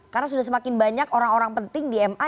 karena sudah semakin banyak orang orang penting di ma